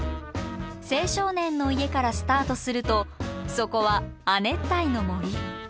青少年の家からスタートするとそこは亜熱帯の森。